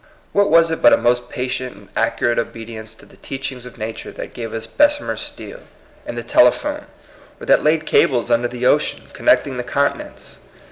What was it but a most patient and accurate obedience to the teach ings of nature that gave us Bessemer steel, and the telephone, or that laid cables under the ocean, connecting the continents?